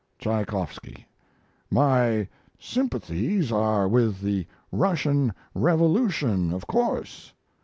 TCHAYKOFFSKY, My sympathies are with the Russian revolution, of course.